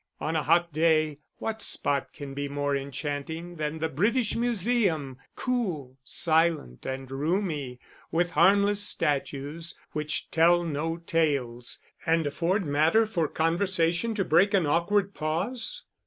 On a hot day what spot can be more enchanting than the British Museum, cool, silent, and roomy, with harmless statues which tell no tales, and afford matter for conversation to break an awkward pause?